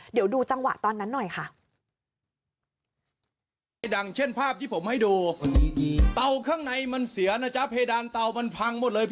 เดี๋ยวดูจังหวะตอนนั้นหน่อยค่ะ